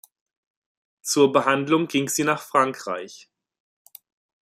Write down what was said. Zur Behandlung ging sie nach Frankreich.